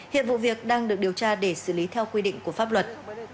hiện vụ việc đang được điều tra để xử lý theo quy định của pháp luật